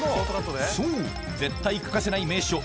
そう絶対欠かせない名所徽